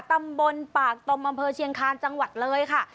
ตำบลปากตมอำเภอเชียงคาญจังหวัดเลยค่ะ